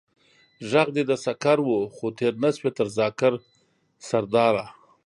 ژغ دې د سکر و، خو تېر نه شوې تر ذاکر سرداره.